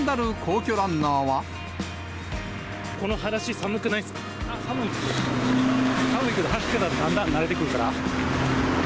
寒いけど、走ってたら、だんだん慣れてくるから。